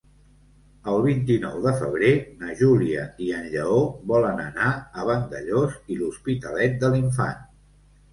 El vint-i-nou de febrer na Júlia i en Lleó volen anar a Vandellòs i l'Hospitalet de l'Infant.